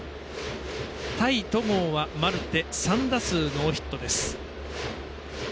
対戸郷はマルテ３打数ノーヒットです。